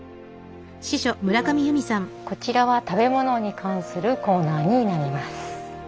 こちらは食べ物に関するコーナーになります。